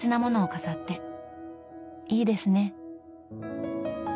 いいですね。